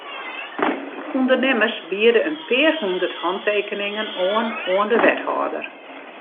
Undernimmers biede in pear hûndert hantekeningen oan oan de wethâlder.